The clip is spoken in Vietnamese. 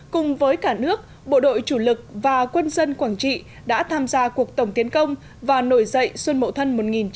cùng với cả nước bộ đội chủ lực và quân dân quảng trị đã tham gia cuộc tổng tiến công và nổi dậy xuân mậu thân một nghìn chín trăm bảy mươi năm